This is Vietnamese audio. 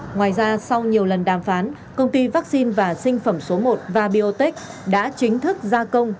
ngoài ra sau nhiều lần đàm phán công ty vaccine và sinh phẩm số một và biotech đã chính thức gia công